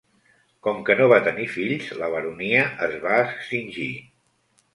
Com que no va tenir fills, la baronia es va extingir.